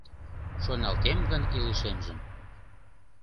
Шоналтем гын илышемжым